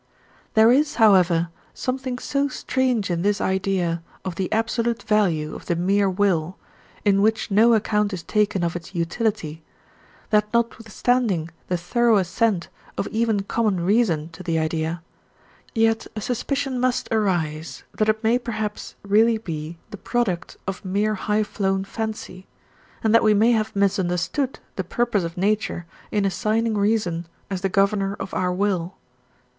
There is, however, something so strange in this idea of the absolute value of the mere will, in which no account is taken of its utility, that notwithstanding the thorough assent of even common reason to the idea, yet a suspicion must arise that it may perhaps really be the product of mere high flown fancy, and that we may have misunderstood the purpose of nature in assigning reason as the governor of our will.